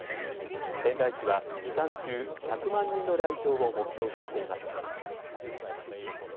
仙台市は、期間中１００万人の来場を目標としています。